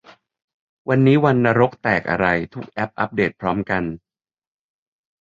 วันนี้วันนรกแตกอะไร ทุกแอปอัปเดตพร้อมกัน !